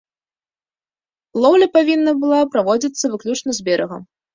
Лоўля павінна была праводзіцца выключна з берага.